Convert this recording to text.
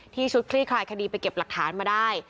ชุดคลี่คลายคดีไปเก็บหลักฐานมาได้